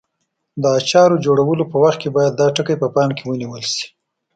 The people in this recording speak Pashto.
د اچارو جوړولو په وخت کې باید دا ټکي په پام کې ونیول شي.